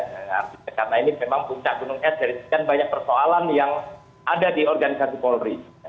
karena ini memang puncak gunung es dari sekian banyak persoalan yang ada di organisasi kapolri